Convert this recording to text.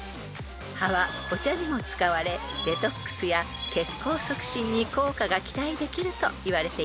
［葉はお茶にも使われデトックスや血行促進に効果が期待できるといわれています］